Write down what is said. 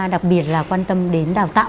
đặc biệt là quan tâm đến đào tạo